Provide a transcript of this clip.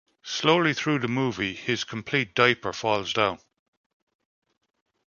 Slowly through the movie, his complete diaper falls down.